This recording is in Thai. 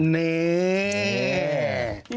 นี่